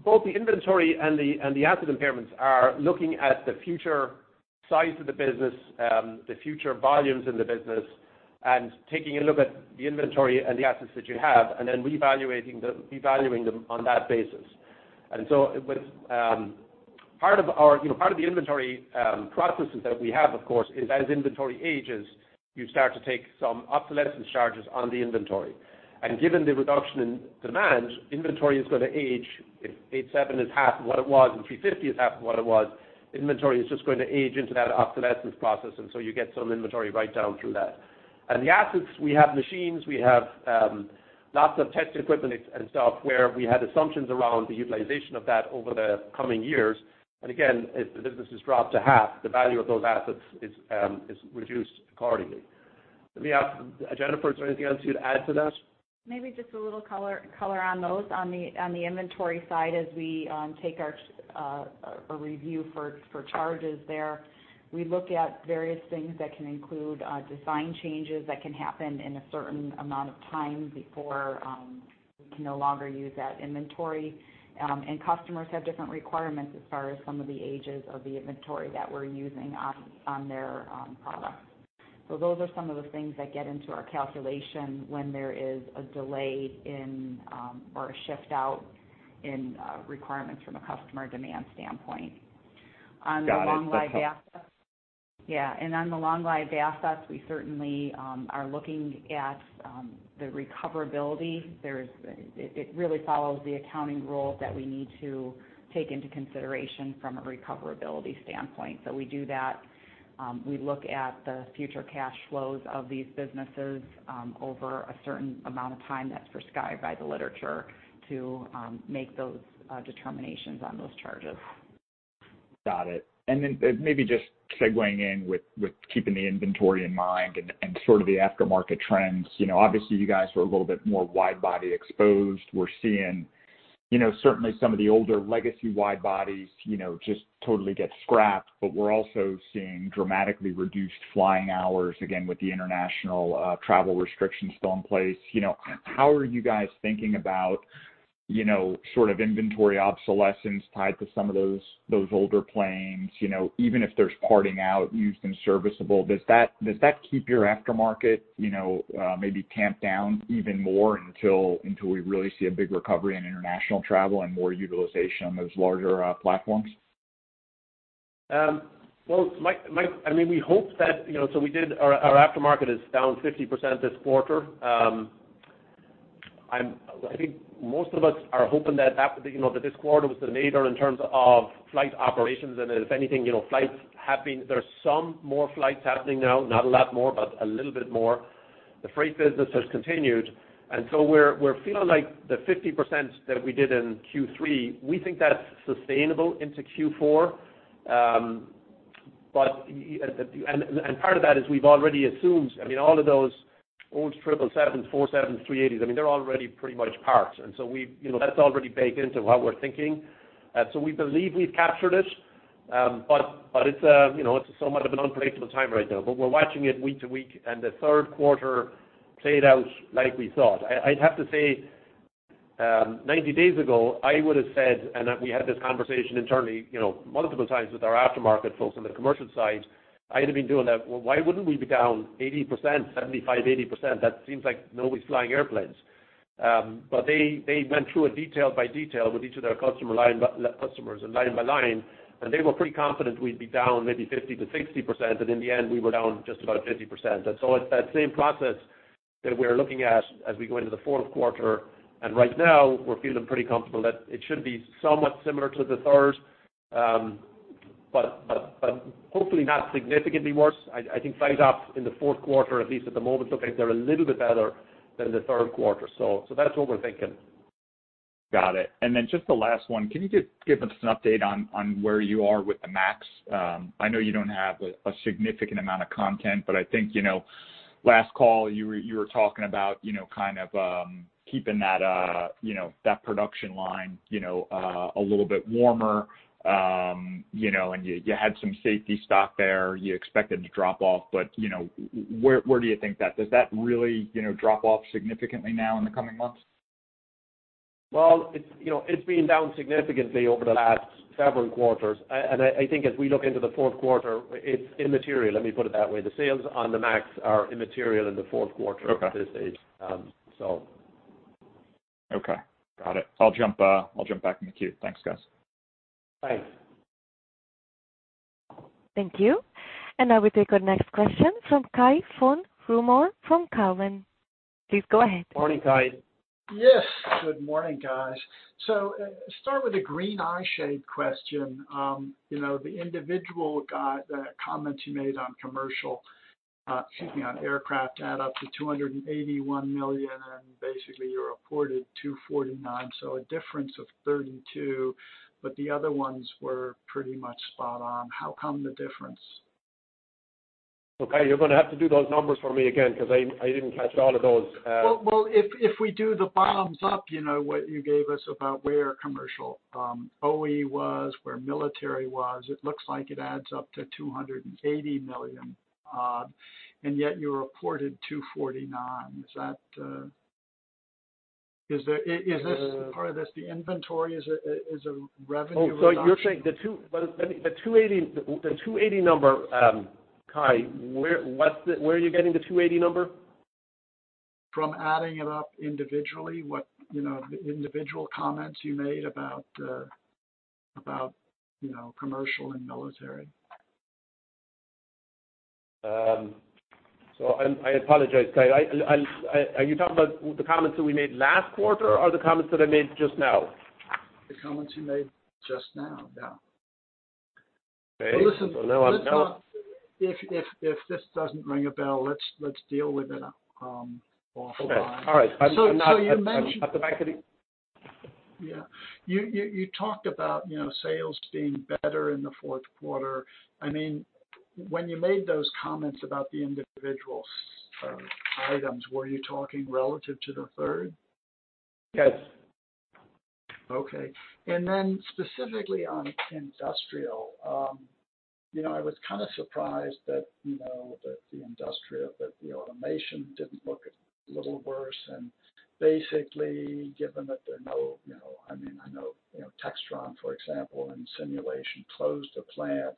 Both the inventory and the asset impairments are looking at the future size of the business, the future volumes in the business, and taking a look at the inventory and the assets that you have, and then revaluing them on that basis. Part of the inventory processes that we have, of course, is as inventory ages, you start to take some obsolescence charges on the inventory. Given the reduction in demand, inventory is going to age. If 787 is half of what it was, and A350 is half of what it was, inventory is just going to age into that obsolescence process, and so you get some inventory write-down through that. The assets, we have machines, we have lots of test equipment and software. We had assumptions around the utilization of that over the coming years. Again, if the business is dropped to half, the value of those assets is reduced accordingly. Let me ask Jennifer, is there anything else you'd add to that?
Maybe just a little color on those. On the inventory side, as we take our review for charges there, we look at various things that can include design changes that can happen in a certain amount of time before we can no longer use that inventory. Customers have different requirements as far as some of the ages of the inventory that we're using on their product. Those are some of the things that get into our calculation when there is a delay in, or a shift out in requirements from a customer demand standpoint.
Got it. That's helpful.
Yeah. On the long-lived assets, we certainly are looking at the recoverability. It really follows the accounting rules that we need to take into consideration from a recoverability standpoint. We do that. We look at the future cash flows of these businesses over a certain amount of time that's prescribed by the literature to make those determinations on those charges.
Got it. Maybe just segueing in with keeping the inventory in mind and sort of the aftermarket trends. Obviously, you guys were a little bit more wide-body exposed. We're seeing certainly some of the older legacy wide-bodies just totally get scrapped. We're also seeing dramatically reduced flying hours, again, with the international travel restrictions still in place. How are you guys thinking about inventory obsolescence tied to some of those older planes, even if there's parting out used and serviceable? Does that keep your aftermarket maybe tamped down even more until we really see a big recovery in international travel and more utilization on those larger platforms?
Our aftermarket is down 50% this quarter. I think most of us are hoping that this quarter was the major in terms of flight operations. If anything, there's some more flights happening now. Not a lot more, but a little bit more. The freight business has continued, we're feeling like the 50% that we did in Q3, we think that's sustainable into Q4. Part of that is we've already assumed all of those old 777s, 47s, A380s, they're already pretty much parked. That's already baked into what we're thinking. We believe we've captured it, but it's somewhat of an unpredictable time right now. We're watching it week to week, and the third quarter played out like we thought. I'd have to say 90 days ago, I would've said, we had this conversation internally multiple times with our aftermarket folks on the commercial side. I'd have been doing that. Well, why wouldn't we be down 80%, 75%, 80%? That seems like nobody's flying airplanes. They went through it detail by detail with each of their customers and line by line, and they were pretty confident we'd be down maybe 50%-60%, and in the end we were down just about 50%. It's that same process that we're looking at as we go into the fourth quarter. Right now we're feeling pretty comfortable that it should be somewhat similar to the third. Hopefully not significantly worse. I think flights up in the fourth quarter, at least at the moment, look like they're a little bit better than the third quarter. That's what we're thinking.
Got it. Then just the last one. Can you just give us an update on where you are with the MAX? I know you don't have a significant amount of content, but I think last call you were talking about keeping that production line a little bit warmer. You had some safety stock there you expected to drop off, but Does that really drop off significantly now in the coming months?
Well, it's been down significantly over the last several quarters, and I think as we look into the fourth quarter, it's immaterial, let me put it that way. The sales on the MAX are immaterial in the fourth quarter at this stage.
Okay, got it. I'll jump back in the queue. Thanks, guys.
Thanks.
Thank you. And I will take our next question from Cai von Rumohr from Cowen. Please go ahead.
Morning, Cai.
Yes, good morning, guys. Let's start with a green eye shade question. The individual comments you made on commercial, excuse me, on aircraft add up to $281 million, and basically you reported $249 million, so a difference of $32 million, but the other ones were pretty much spot on. How come the difference?
Okay, you're going to have to do those numbers for me again, because I didn't catch all of those.
If we do the bottoms up, what you gave us about where commercial OEM was, where military was, it looks like it adds up to $280 million odd, and yet you reported $249. Is part of this the inventory is a revenue adoption?
Oh, you're saying the 280 number, Cai, where are you getting the 280 number?
From adding it up individually, the individual comments you made about commercial and military.
I apologize, Cai. Are you talking about the comments that we made last quarter, or the comments that I made just now?
The comments you made just now, yeah.
Okay. Now.
Listen, if this doesn't ring a bell, let's deal with it offline.
Okay. All right.
So you mentioned.
At the back of the.
Yeah. You talked about sales being better in the fourth quarter. When you made those comments about the individual items, were you talking relative to the third?
Yes.
Okay. Specifically on industrial. I was kind of surprised that the industrial, that the automation didn't look a little worse and basically, given that there are no I know Textron, for example, and Simulation closed a plant.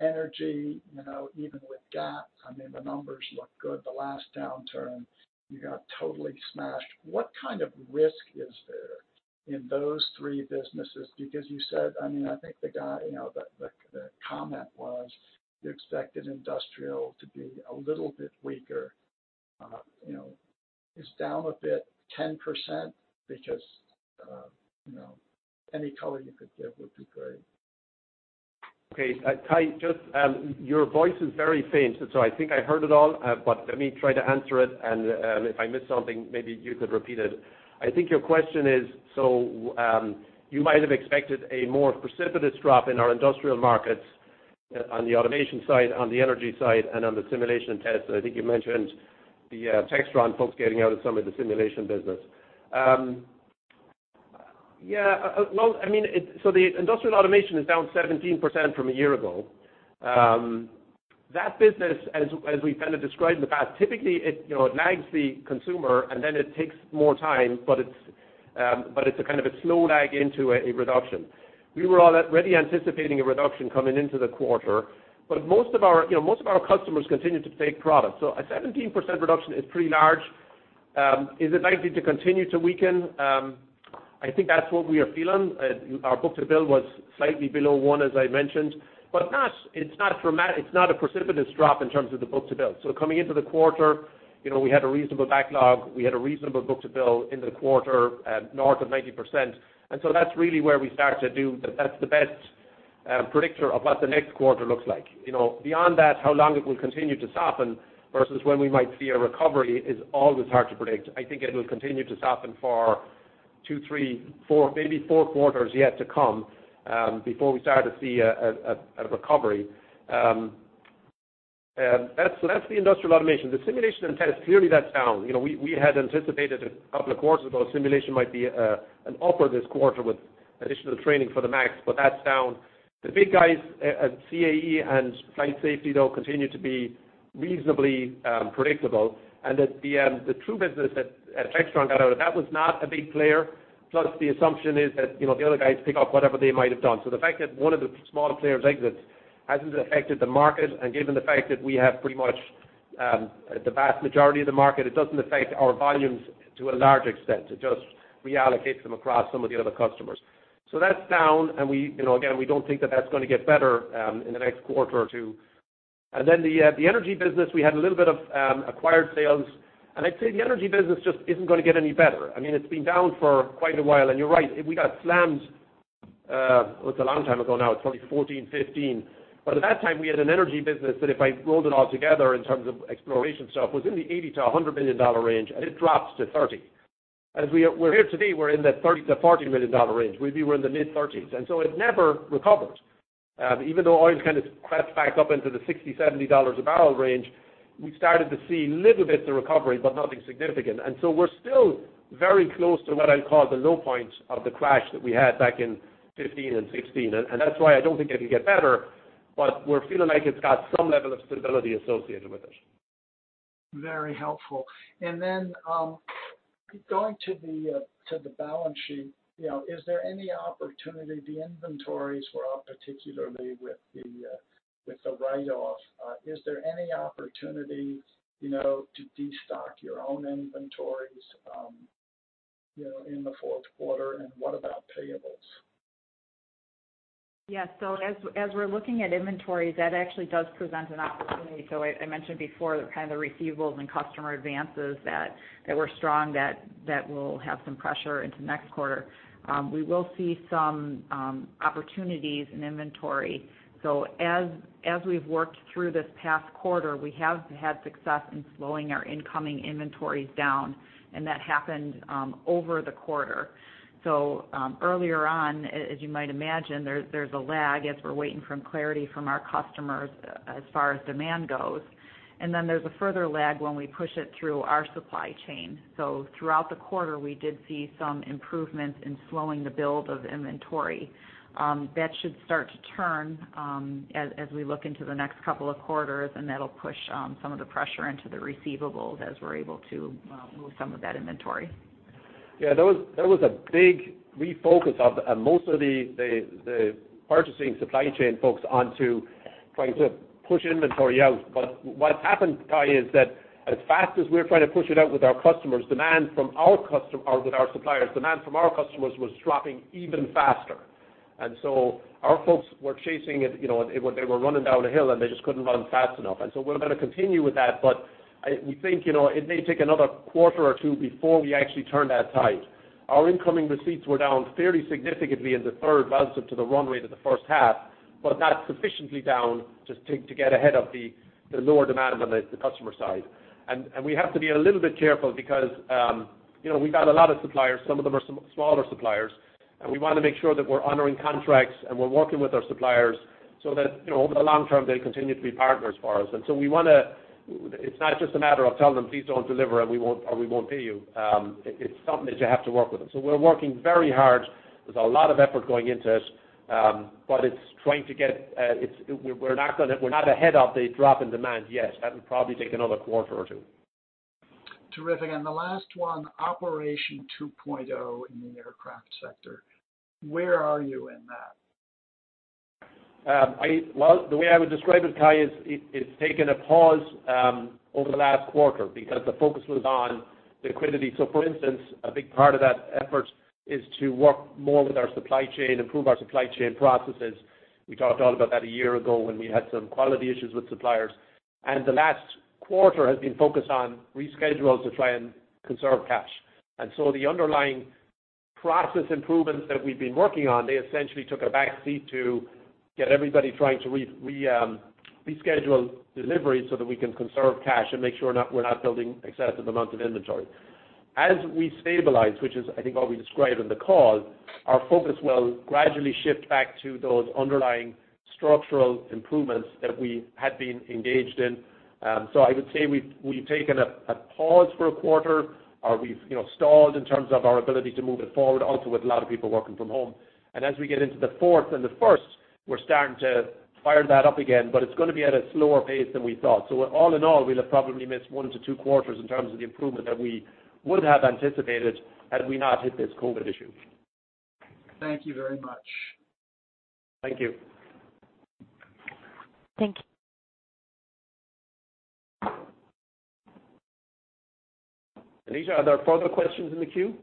Energy, even with GAT, the numbers look good. The last downturn you got totally smashed. What kind of risk is there in those three businesses? You said, I think the comment was you expected industrial to be a little bit weaker. It's down a bit, 10%, any color you could give would be great.
Okay. Cai just your voice is very faint. I think I heard it all, but let me try to answer it, and if I miss something, maybe you could repeat it. I think your question is, you might have expected a more precipitous drop in our industrial markets on the automation side, on the energy side, and on the simulation test. I think you mentioned the Textron folks getting out of some of the simulation business. Yeah. The industrial automation is down 17% from a year ago. That business, as we've kind of described in the past, typically it lags the consumer, and then it takes more time, but it's a kind of a slow lag into a reduction. We were already anticipating a reduction coming into the quarter, but most of our customers continue to take product. A 17% reduction is pretty large. Is it likely to continue to weaken? I think that's what we are feeling. Our book to bill was slightly below one, as I mentioned, but it's not a precipitous drop in terms of the book to bill. Coming into the quarter, we had a reasonable backlog. We had a reasonable book to bill in the quarter at north of 90%. That's the best predictor of what the next quarter looks like. Beyond that, how long it will continue to soften versus when we might see a recovery is always hard to predict. I think it will continue to soften for two, three, four, maybe four quarters yet to come, before we start to see a recovery. That's the industrial automation. The simulation and test, clearly that's down. We had anticipated a couple of quarters ago, simulation might be an upper this quarter with additional training for the MAX. That's down. The big guys at CAE and FlightSafety, though, continue to be reasonably predictable. That the true business that Textron got out of, that was not a big player, plus the assumption is that the other guys pick up whatever they might have done. The fact that one of the smaller players exits, hasn't affected the market. Given the fact that we have pretty much the vast majority of the market, it doesn't affect our volumes to a large extent. It just reallocates them across some of the other customers. That's down. Again, we don't think that that's going to get better in the next quarter or two. The energy business, we had a little bit of acquired sales. I'd say the energy business just isn't going to get any better. It's been down for quite a while. You're right. We got slammed, it was a long time ago now, it's probably 2014, 2015. At that time, we had an energy business that if I rolled it all together in terms of exploration stuff, was in the $80 million-$100 million range, and it dropped to $30 million. As we're here today, we're in the $30 million-$40 million range. We were in the mid-$30 million. It never recovered. Even though oil's kind of crept back up into the $60-$70 a barrel range, we started to see little bits of recovery, but nothing significant. We're still very close to what I'd call the low point of the crash that we had back in 2015 and 2016. That's why I don't think it can get better, but we're feeling like it's got some level of stability associated with it.
Very helpful. Going to the balance sheet, the inventories were up, particularly with the write-off. Is there any opportunity to de-stock your own inventories in the fourth quarter? What about payables?
Yeah. As we're looking at inventories, that actually does present an opportunity. I mentioned before, kind of the receivables and customer advances that were strong, that will have some pressure into next quarter. We will see some opportunities in inventory. As we've worked through this past quarter, we have had success in slowing our incoming inventories down, and that happened over the quarter. Earlier on, as you might imagine, there's a lag as we're waiting from clarity from our customers as far as demand goes. There's a further lag when we push it through our supply chain. Throughout the quarter, we did see some improvements in slowing the build of inventory. That should start to turn as we look into the next couple of quarters, and that'll push some of the pressure into the receivables as we're able to move some of that inventory.
Yeah, there was a big refocus of most of the purchasing supply chain folks onto trying to push inventory out. What's happened, Cai, is that as fast as we're trying to push it out with our suppliers, demand from our customers was dropping even faster. Our folks were chasing it, they were running down a hill, and they just couldn't run fast enough. We're going to continue with that, but we think it may take another quarter or two before we actually turn that tide. Our incoming receipts were down fairly significantly in the third relative to the run rate of the first half, but not sufficiently down to get ahead of the lower demand on the customer side. We have to be a little bit careful because we've got a lot of suppliers. Some of them are smaller suppliers, and we want to make sure that we're honoring contracts and we're working with our suppliers so that over the long term, they continue to be partners for us. It's not just a matter of telling them, please don't deliver or we won't pay you. It's something that you have to work with them. We're working very hard. There's a lot of effort going into it, but we're not ahead of the drop in demand yet. That would probably take another quarter or two.
Terrific. The last one, Operation 2.0 in the aircraft sector. Where are you in that?
Well, the way I would describe it, Ty, it's taken a pause over the last quarter because the focus was on liquidity. For instance, a big part of that effort is to work more with our supply chain, improve our supply chain processes. We talked all about that a year ago when we had some quality issues with suppliers. The last quarter has been focused on reschedules to try and conserve cash. The underlying process improvements that we've been working on, they essentially took a backseat to get everybody trying to reschedule deliveries so that we can conserve cash and make sure we're not building excessive amounts of inventory. As we stabilize, which is, I think what we described on the call, our focus will gradually shift back to those underlying structural improvements that we had been engaged in. I would say we've taken a pause for a quarter, or we've stalled in terms of our ability to move it forward also with a lot of people working from home. As we get into the fourth and the first, we're starting to fire that up again, but it's going to be at a slower pace than we thought. All in all, we'll have probably missed one to two quarters in terms of the improvement that we would have anticipated had we not hit this COVID issue.
Thank you very much.
Thank you.
Thank you.
Alicia, are there further questions in the queue?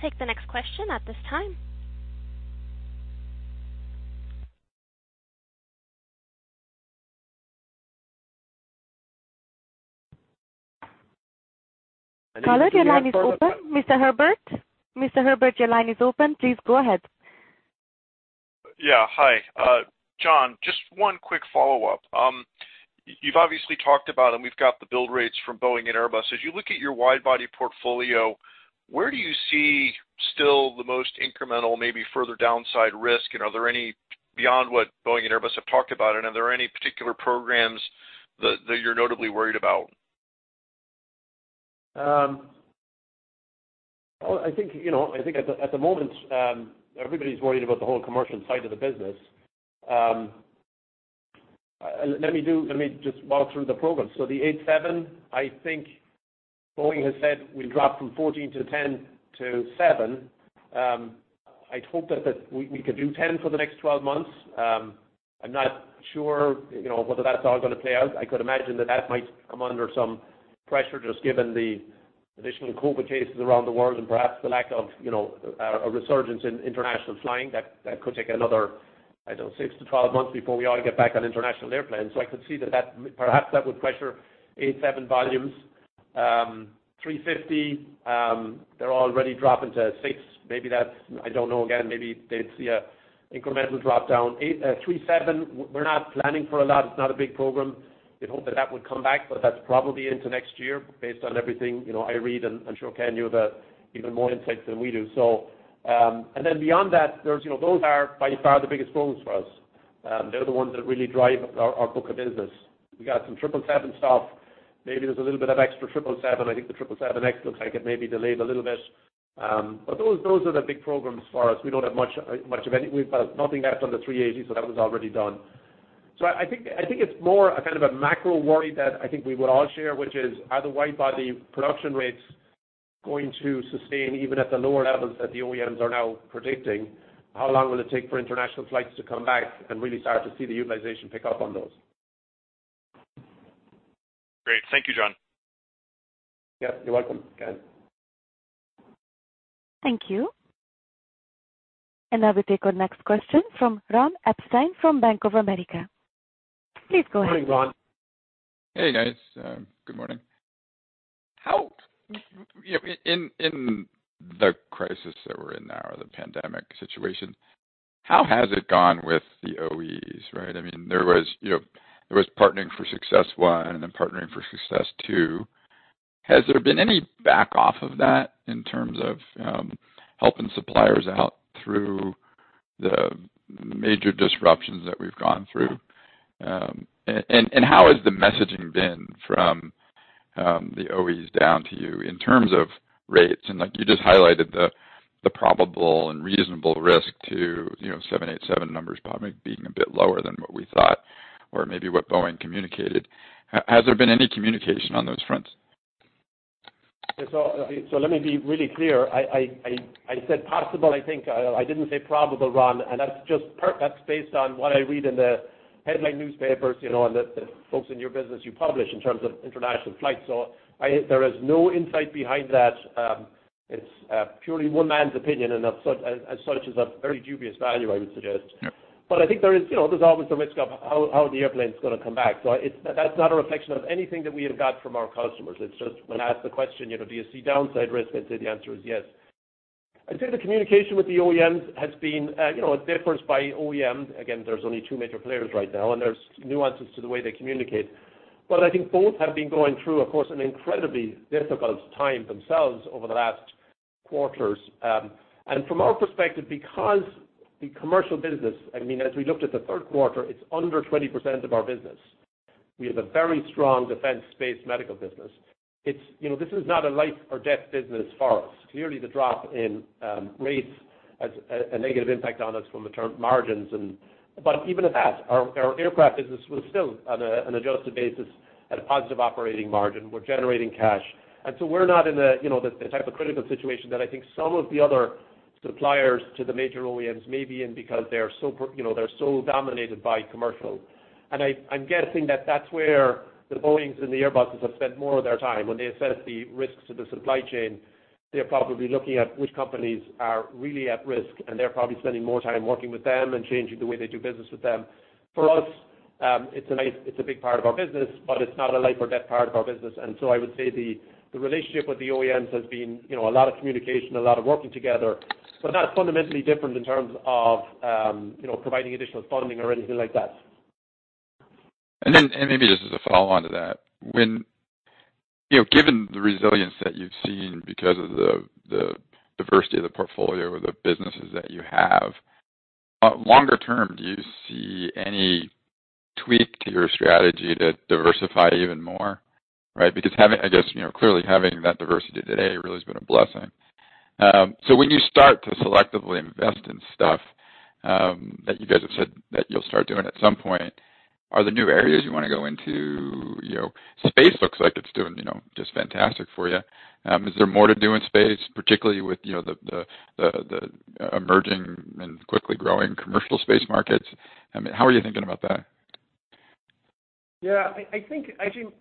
Alicia?
We'll take the next question at this time.
Alicia, do you have?
Caller, your line is open. Mr. Herbert? Mr. Herbert, your line is open. Please go ahead.
Yeah. Hi. John, just one quick follow-up. You've obviously talked about, and we've got the build rates from Boeing and Airbus. As you look at your wide body portfolio, where do you see still the most incremental, maybe further downside risk? Are there any beyond what Boeing and Airbus have talked about, and are there any particular programs that you're notably worried about?
I think at the moment, everybody's worried about the whole commercial side of the business. Let me just walk through the programs. The 787, I think Boeing has said will drop from 14 to 10 to seven. I'd hope that we could do 10 for the next 12 months. I'm not sure whether that's how it's going to play out. I could imagine that that might come under some pressure just given the additional COVID cases around the world and perhaps the lack of a resurgence in international flying that could take another, I don't know, 6-12 months before we all get back on international airplanes. I could see that perhaps that would pressure 787 volumes. A350, they're already dropping to six. I don't know. Again, maybe they'd see a incremental drop down. 737, we're not planning for a lot. It's not a big program. We'd hope that that would come back, but that's probably into next year based on everything I read, and I'm sure Ken knew that even more insight than we do. Beyond that, those are by far the biggest programs for us. They're the ones that really drive our book of business. We got some 777 stuff. Maybe there's a little bit of extra 777. I think the 777X looks like it may be delayed a little bit. Those are the big programs for us. We've nothing left on the A380, so that was already done. I think it's more a kind of a macro worry that I think we would all share, which is are the wide body production rates going to sustain even at the lower levels that the OEMs are now predicting? How long will it take for international flights to come back and really start to see the utilization pick up on those?
Great. Thank you, John.
Yeah. You're welcome, Ken.
Thank you. Now we take our next question from Ron Epstein from Bank of America. Please go ahead.
Morning, Ron.
Hey, guys. Good morning. In the crisis that we're in now, or the pandemic situation, how has it gone with the OEs, right? There was Partnering for Success One and then Partnering for Success Two. Has there been any back off of that in terms of helping suppliers out through the major disruptions that we've gone through? How has the messaging been from the OEs down to you in terms of rates? You just highlighted the probable and reasonable risk to 787 numbers probably being a bit lower than what we thought or maybe what Boeing communicated. Has there been any communication on those fronts?
Let me be really clear. I said possible, I think. I didn't say probable, Ron, and that's based on what I read in the headline newspapers, and the folks in your business, you publish in terms of international flights. There is no insight behind that. It's purely one man's opinion, and as such is of very dubious value, I would suggest.
Yeah.
I think there's always the risk of how the airplane's going to come back. That's not a reflection of anything that we have got from our customers. It's just when asked the question, "Do you see downside risk?" I'd say the answer is yes. I'd say the communication with the OEMs differs by OEM. Again, there's only two major players right now, and there's nuances to the way they communicate. I think both have been going through, of course, an incredibly difficult time themselves over the last quarters. From our perspective, because the commercial business, as we looked at the third quarter, it's under 20% of our business. We have a very strong defense space medical business. This is not a life or death business for us. Clearly, the drop in rates has a negative impact on us from the term margins. Even at that, our aircraft business was still on an adjusted basis at a positive operating margin. We're generating cash. We're not in the type of critical situation that I think some of the other suppliers to the major OEMs may be in because they're so dominated by commercial. I'm guessing that that's where the Boeings and the Airbuses have spent more of their time. When they assess the risks to the supply chain, they're probably looking at which companies are really at risk, and they're probably spending more time working with them and changing the way they do business with them. For us, it's a big part of our business, but it's not a life or death part of our business. I would say the relationship with the OEMs has been a lot of communication, a lot of working together, but not fundamentally different in terms of providing additional funding or anything like that.
Maybe just as a follow-on to that. Given the resilience that you've seen because of the diversity of the portfolio or the businesses that you have, longer term, do you see any tweak to your strategy to diversify even more, right? I guess, clearly having that diversity today really has been a blessing. When you start to selectively invest in stuff that you guys have said that you'll start doing at some point, are there new areas you want to go into? Space looks like it's doing just fantastic for you. Is there more to do in space, particularly with the emerging and quickly growing commercial space markets? How are you thinking about that?
Yeah. I think,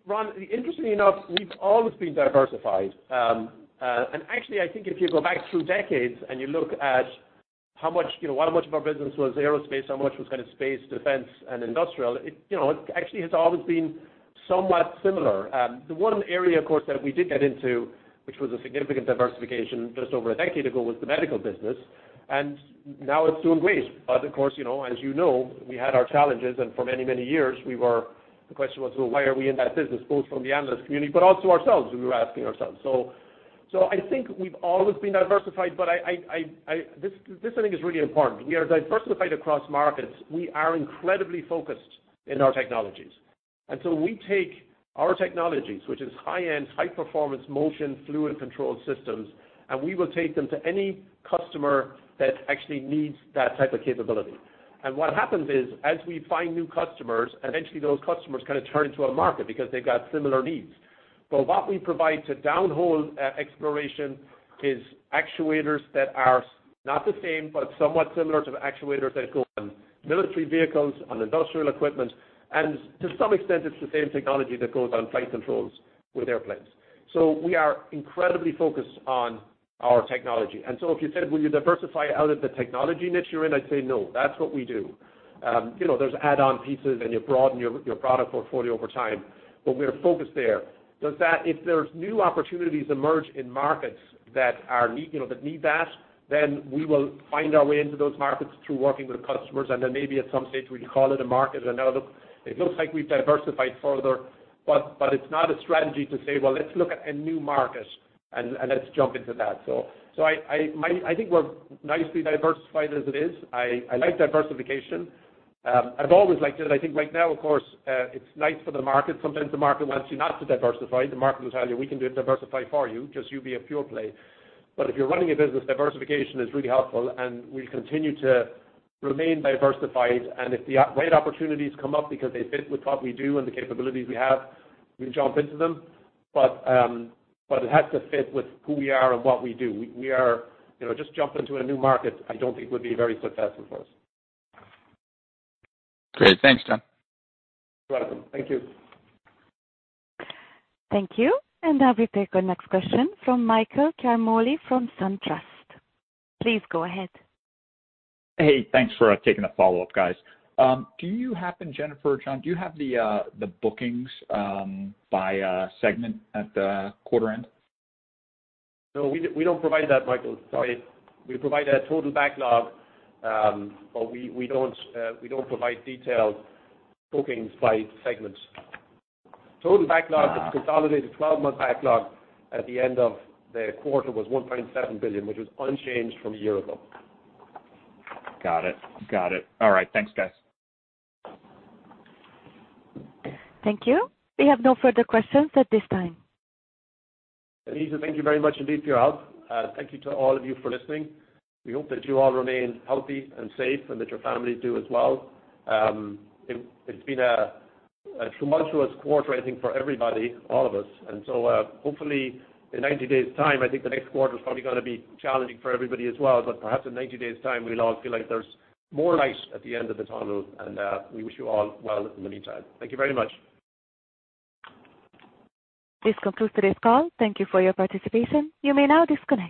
Ron, interestingly enough, we've always been diversified. Actually, I think if you go back through decades and you look at how much of our business was aerospace, how much was kind of space, defense, and industrial, it actually has always been somewhat similar. The one area, of course, that we did get into, which was a significant diversification just over a decade ago, was the medical business, and now it's doing great. Of course, as you know, we had our challenges, and for many, many years the question was, "Well, why are we in that business?" Both from the analyst community, but also ourselves. We were asking ourselves. I think we've always been diversified. This I think is really important. We are diversified across markets. We are incredibly focused in our technologies. We take our technologies, which is high-end, high-performance motion fluid control systems, and we will take them to any customer that actually needs that type of capability. What happens is, as we find new customers, eventually those customers kind of turn into a market because they've got similar needs. What we provide to downhole exploration is actuators that are not the same, but somewhat similar to the actuators that go on military vehicles, on industrial equipment, and to some extent, it's the same technology that goes on flight controls with airplanes. We are incredibly focused on our technology. If you said, "Will you diversify out of the technology niche you're in?" I'd say, "No, that's what we do." There's add-on pieces, and you broaden your product portfolio over time, we're focused there. If there's new opportunities emerge in markets that need that, then we will find our way into those markets through working with customers. Maybe at some stage, we call it a market and now it looks like we've diversified further. It's not a strategy to say, "Well, let's look at a new market and let's jump into that." I think we're nicely diversified as it is. I like diversification. I've always liked it. I think right now, of course, it's nice for the market. Sometimes the market wants you not to diversify. The market will tell you, "We can diversify for you. Just you be a pure play." If you're running a business, diversification is really helpful, and we continue to remain diversified. If the right opportunities come up because they fit with what we do and the capabilities we have, we jump into them. It has to fit with who we are and what we do. Just jumping into a new market I don't think would be very successful for us.
Great. Thanks, John.
You're welcome. Thank you.
Thank you. Now we take our next question from Michael Ciarmoli from SunTrust. Please go ahead.
Hey, thanks for taking the follow-up, guys. Jennifer or John, do you have the bookings by segment at the quarter end?
No, we don't provide that, Michael. Sorry. We provide a total backlog. We don't provide detailed bookings by segments. Total backlog, the consolidated 12-month backlog at the end of the quarter was $1.7 billion, which was unchanged from a year ago.
Got it. All right. Thanks, guys.
Thank you. We have no further questions at this time.
Lisa, thank you very much indeed for your help. Thank you to all of you for listening. We hope that you all remain healthy and safe, and that your families do as well. It's been a tumultuous quarter, I think, for everybody, all of us, hopefully in 90 days' time, I think the next quarter is probably going to be challenging for everybody as well. Perhaps in 90 days' time, we'll all feel like there's more light at the end of the tunnel, and we wish you all well in the meantime. Thank you very much.
This concludes today's call. Thank you for your participation. You may now disconnect.